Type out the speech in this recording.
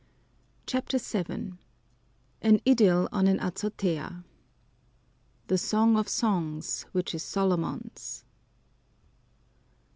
CHAPTER VII An Idyl on an Azotea The Song of Songs, which is Solomon's.